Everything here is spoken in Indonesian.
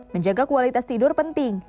menjaga kualitas tidur penting